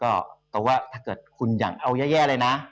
ก็ถ้าเกิดคุณอยากเอาแย่เลยนะ